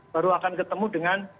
baru akan ketemu dengan